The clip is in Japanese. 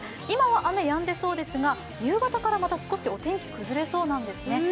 今は雨、やんでそうですが夕方からまた少し、お天気崩れそうなんですね。